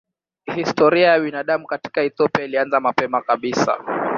Historia ya binadamu katika Ethiopia ilianza mapema kabisa.